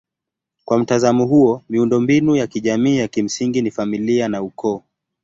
Kwa mtazamo huo miundombinu ya kijamii ya kimsingi ni familia na ukoo.